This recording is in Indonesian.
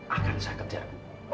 akan saya kejar bu